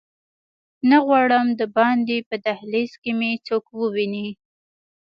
نه غواړم دباندې په دهلېز کې مې څوک وویني.